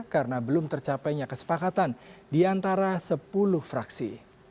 karena belum tercapainya kesepakatan di antara sepuluh fraksi